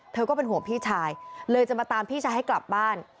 ก็เป็นห่วงพี่ชายเลยจะมาตามพี่ชายให้กลับบ้าน